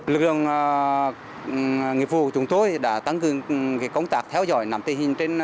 lực lượng nghiệp vụ của chúng tôi đã tăng cường công tác theo dõi nằm tình hình